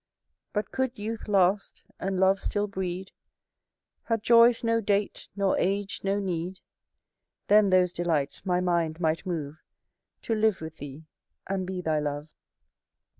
But could youth last, and love still breed; Had joys no date, nor age no need; Then those delights my mind might move To live with thee, and be thy love.